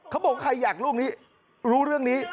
เขาบอกใครอยากรู้เรื่องนี้